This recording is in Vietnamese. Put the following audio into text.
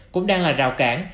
cũng đang là rào cản